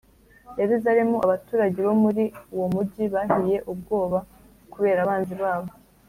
Yerusalemu Abaturage bo muri uwo mugi bahiye ubwoba kubera abanzi babo